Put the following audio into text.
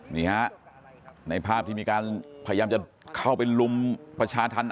นี่ฮะในภาพที่มีการพยายามจะเข้าไปลุมประชาธรรม